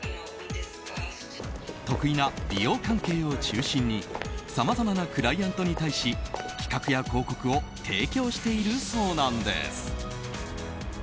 得意な美容関係を中心にさまざまなクライアントに対し企画や広告を提供しているそうなんです。